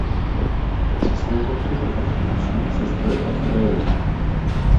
Přesné počty prodaných kusů se zdroj od zdroje liší.